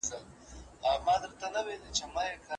د خټین او د واورین سړک پر غاړه